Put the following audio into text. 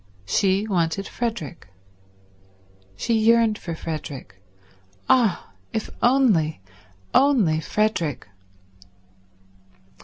She wanted Frederick. She yearned for Frederick. Ah, if only, only Frederick